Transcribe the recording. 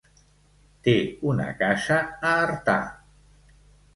Té una casa a Artà.